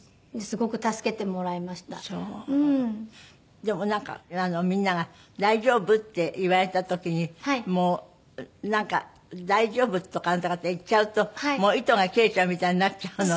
でもなんかみんなが大丈夫？って言われた時に大丈夫とかなんとかって言っちゃうと糸が切れちゃうみたいになっちゃうので。